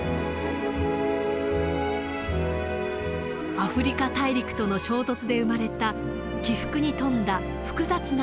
アフリカ大陸との衝突で生まれた起伏に富んだ複雑な地形。